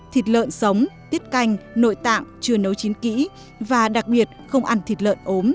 thịt lợn sống tiết canh nội tạng chưa nấu chín kỹ và đặc biệt không ăn thịt lợn ốm